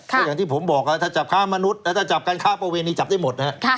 ก็อย่างที่ผมบอกถ้าจับค้ามนุษย์ถ้าจับการค้าประเวณนี้จับได้หมดนะฮะ